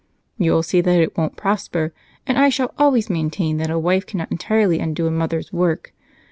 "You'll see that it won't prosper, and I shall always maintain that a wife cannot entirely undo a mother's work.